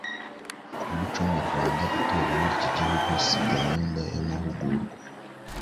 ku muco nyarwanda. Itorero ry’Igihugu si gahunda y’amahugurwa